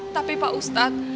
tapi pak ustad